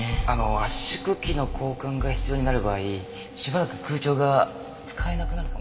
圧縮機の交換が必要になる場合しばらく空調が使えなくなるかも。